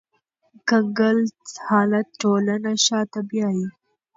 کنګل حالت ټولنه شاته بیایي